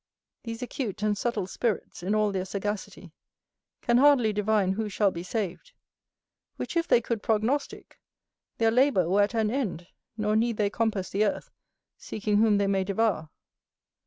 These acute and subtile spirits, in all their sagacity, can hardly divine who shall be saved; which if they could prognostick, their labour were at an end, nor need they compass the earth, seeking whom they may devour.